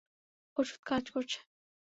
ওষুধ কাজ করছে।